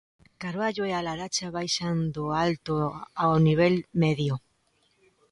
Carballo e A Laracha baixan do alto ao nivel medio.